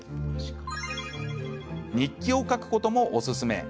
日記を書くこともおすすめ。